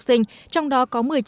các trường mầm non có giáo viên